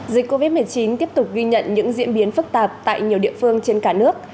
dịch covid một mươi chín tiếp tục ghi nhận những diễn biến phức tạp tại nhiều địa phương trên cả nước